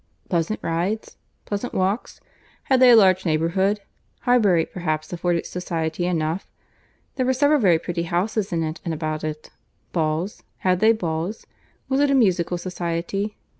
—Pleasant rides?—Pleasant walks?—Had they a large neighbourhood?—Highbury, perhaps, afforded society enough?—There were several very pretty houses in and about it.—Balls—had they balls?—Was it a musical society?"